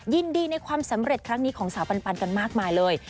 ในความสำเร็จครั้งนี้ของสาวปันกันมากมายเลย